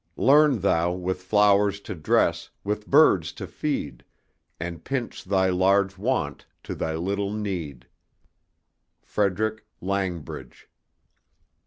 Learn thou with flowers to dress, with birds to feed, And pinch thy large want to thy little need. FREDERICK LANGBRIDGE.